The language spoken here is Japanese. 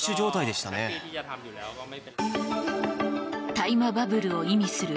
大麻バブルを意味する